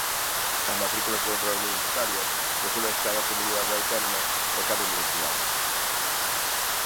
As matrículas de honra universitarias regúlaas cada comunidade autónoma e cada universidade.